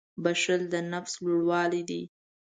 • بښل د نفس لوړوالی دی.